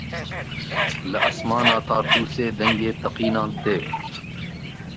Li esmanê Tartûsê dengê teqînan tê.